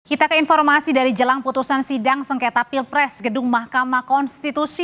kita ke informasi dari jelang putusan sidang sengketa pilpres gedung mahkamah konstitusi